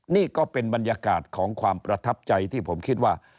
นี่ก็เป็นบรรยากาศของความประทับใจที่ผมคิดว่า